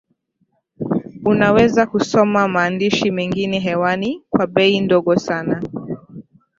unaweza kusoma maandishi mengine hewani kwa bei ndogo sana